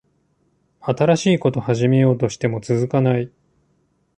新しいこと始めようとしても続かない